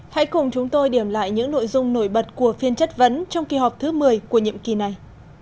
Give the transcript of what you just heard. hãy cùng chúng tôi điểm lại những nội dung nổi bật của phiên chất vấn trong kỳ họp thứ một mươi của nhiệm kỳ này